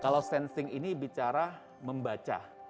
kalau sensing ini bicara membaca